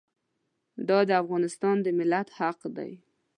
دا د افغانستان د ملت حق دی.